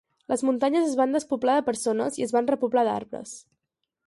Les muntanyes es van despoblar de persones i es van repoblar d’arbres.